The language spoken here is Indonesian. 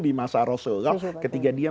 di masa rasulullah ketika dia